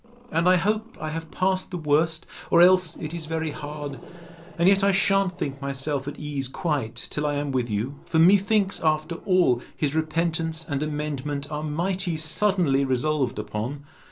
And I hope I have passed the worst; or else it is very hard. And yet I shan't think myself at ease quite, till I am with you: For, methinks, after all, his repentance and amendment are mighty suddenly resolved upon.